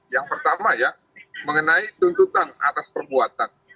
yang pertama ya mengenai tuntutan atas perbuatan